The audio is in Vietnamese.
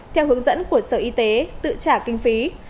theo hướng dẫn của sở y tế tự trả kinh phí